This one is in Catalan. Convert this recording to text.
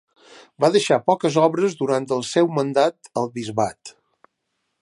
Va deixar poques obres durant el seu mandat al bisbat.